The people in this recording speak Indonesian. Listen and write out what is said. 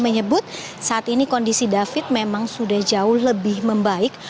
menyebut saat ini kondisi david memang sudah jauh lebih membaik